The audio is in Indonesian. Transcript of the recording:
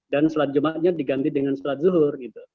dan sholat jumatnya diganti dengan sholat zuhur